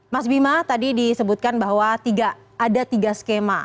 mas bima tadi disebutkan bahwa ada tiga skema